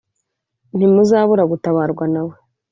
Ntimuzabura gutabarwa nawe